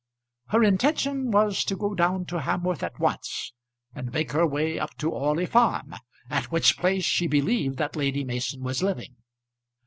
Her intention was to go down to Hamworth at once, and make her way up to Orley Farm, at which place she believed that Lady Mason was living.